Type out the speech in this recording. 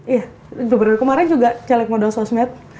iya kemarin juga caleg modal sosmed